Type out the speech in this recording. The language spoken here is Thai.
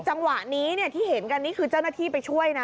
จังหวะนี้ที่เห็นกันนี่คือเจ้าหน้าที่ไปช่วยนะ